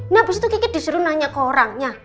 nah abis itu kikit disuruh nanya ke orangnya